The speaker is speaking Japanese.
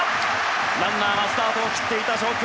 ランナーはスタートを切っていた状況。